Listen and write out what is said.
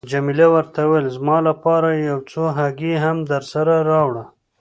جميله ورته وویل: زما لپاره یو څو هګۍ هم درسره راوړه.